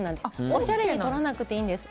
おしゃれに撮らなくてもいいんです。